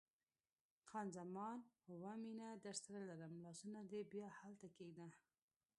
خان زمان: اوه، مینه درسره لرم، لاسونه دې بیا هلته کښېږده.